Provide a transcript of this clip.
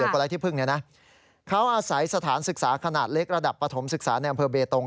เขาอาศัยสถานศึกษาขนาดเล็กระดับประถมศึกษาในอำเภอเบตงค์